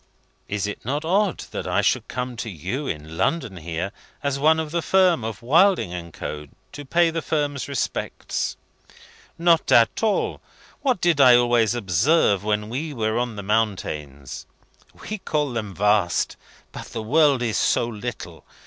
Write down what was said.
"Is it not odd that I should come to you, in London here, as one of the Firm of Wilding and Co., to pay the Firm's respects?" "Not at all! What did I always observe when we were on the mountains? We call them vast; but the world is so little.